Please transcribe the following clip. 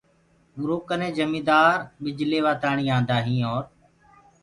اُرو ڪني جميدآر ٻج ليوآ تآڻي آندآ هين اور